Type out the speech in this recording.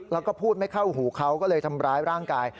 แล้วก็พูดไม่เข้าหูเขาก็เลยทำร้ายร่างกาย